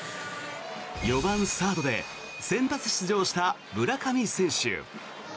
４番サードで先発出場した村上選手。